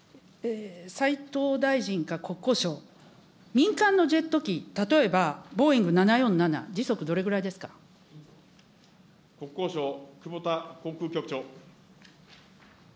斉藤大臣か国交省、民間のジェット機、例えばボーイング７４国交省、久保田航空局長。